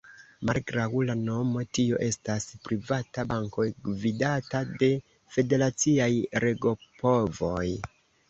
Malgraŭ la nomo tio estas privata banko gvidata de federaciaj regopovoj.